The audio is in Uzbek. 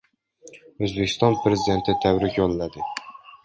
O‘zbekiston Prezidenti tabrik yo‘lladi